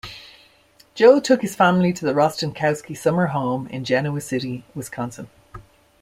Joe took his family to the Rostenkowski summer home in Genoa City, Wisconsin.